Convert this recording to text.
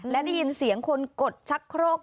และได้ยินเสียงคนกดชักโครก